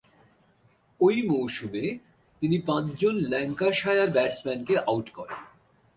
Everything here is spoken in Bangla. ঐ মৌসুমে তিনি পাঁচজন ল্যাঙ্কাশায়ার ব্যাটসম্যানকে আউট করেন।